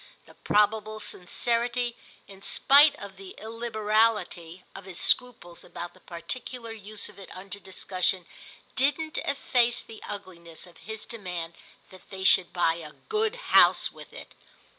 The probable sincerity, in spite of the illiberality, of his scruples about the particular use of it under discussion didn't efface the ugliness of his demand that they should buy a good house with it.